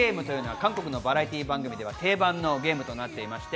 韓国のバラエティー番組では定番のゲームです。